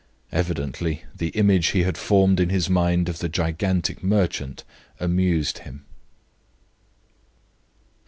Evidently the image he had formed in his mind of the gigantic merchant amused him.